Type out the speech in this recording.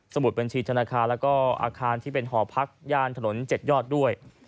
มุดบัญชีธนาคารแล้วก็อาคารที่เป็นหอพักย่านถนน๗ยอดด้วย